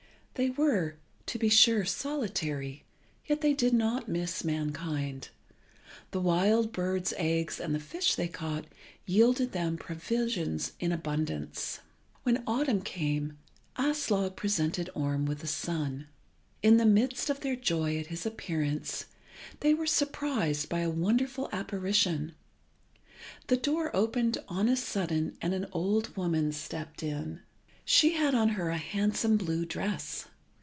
They were, to be sure, solitary, yet they did not miss mankind. The wild birds' eggs and the fish they caught yielded them provisions in abundance. When autumn came, Aslog presented Orm with a son. In the midst of their joy at his appearance they were surprised by a wonderful apparition. The door opened on a sudden, and an old woman stepped in. She had on her a handsome blue dress.